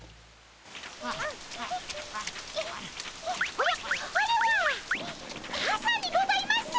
おやっあれはかさにございます！